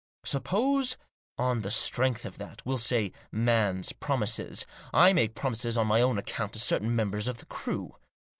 Suppose on the strength of that, we'll say, man's promises, I make promises on my own account to certain members of the crew.